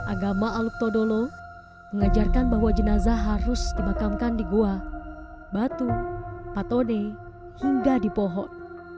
agama aluk todolo mengajarkan bahwa jenazah harus dimakamkan di gua batu patone hingga di pohon